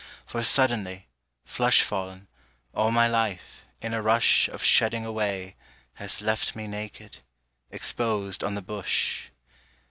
For suddenly, flush fallen, All my life, in a rush Of shedding away, has left me Naked, exposed on the bush.